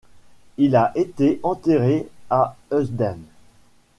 Il a été enterré à Heusden.